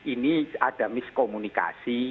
ini ada miskomunikasi